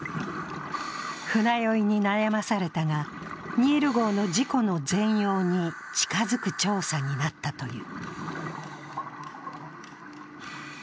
船酔いに悩まされたが、「ニール」号の事故の全容に近づく調査になったという。